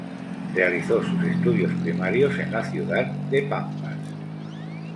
Realizó sus estudios primarios en la ciudad de Pampas.